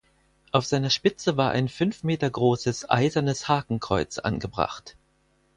Auf seiner Spitze war ein fünf Meter großes eisernes Hakenkreuz angebracht.